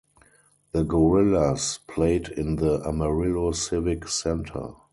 The Gorillas played in the Amarillo Civic Center.